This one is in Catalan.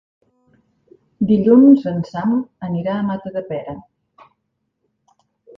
Dilluns en Sam anirà a Matadepera.